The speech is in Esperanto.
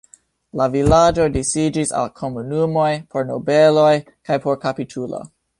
La vilaĝo disiĝis al komunumoj por nobeloj kaj por kapitulo.